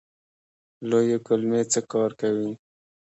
لویې کولمې څه کار کوي؟